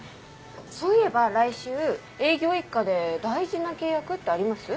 そういえば来週営業一課で大事な契約ってあります？